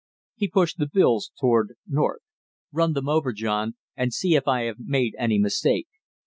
He pushed the bills toward North. "Run them over, John, and see if I have made any mistake."